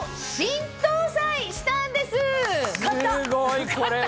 すごいこれは。